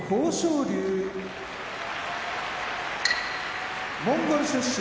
龍モンゴル出身